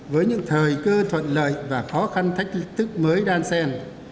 với những thời cơ thuận lợi và khó khăn thách thức mới đan sen